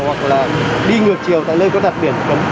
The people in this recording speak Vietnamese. hoặc là đi ngược chiều tại nơi có đặt biển cấm